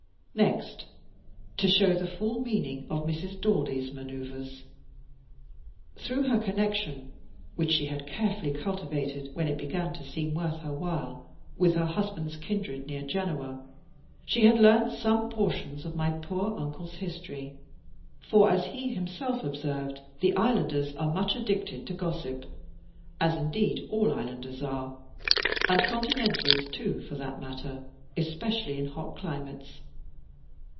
Next, to show the full meaning of Mrs. Daldy's manoeuvres. Through her connexion which she had carefully cultivated, when it began to seem worth her while with her husband's kindred near Genoa, she had learned some portions of my poor Uncle's history; for, as he himself observed, the islanders are much addicted to gossip, as indeed all islanders are, and continentals too for that matter, especially in hot climates.